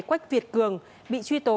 quách việt cường bị truy tố